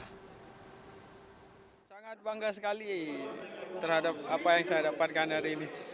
zohri berkata bahwa dia sangat bangga sekali terhadap apa yang saya dapatkan hari ini